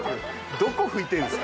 どこ拭いてるんですか？